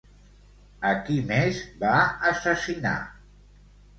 A qui més va assassinar?